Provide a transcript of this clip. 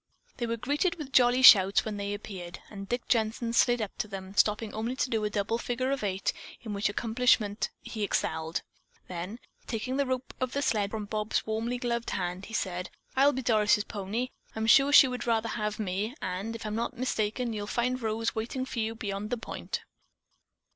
They were greeted with jolly shouts when they appeared, and Dick Jensen slid up to them, stopping only to do a double figure eight, in which accomplishment he excelled. Then, taking the rope of the sled from Bob's warmly gloved hand, he said: "I'll be Doris' pony. I'm sure she would rather have me, and, if I'm not mistaken, you'll find Rose waiting for you beyond the point."